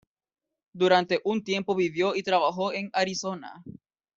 Durante un tiempo vivió y trabajó en Arizona.